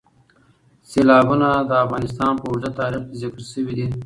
سیلابونه د افغانستان په اوږده تاریخ کې ذکر شوي دي.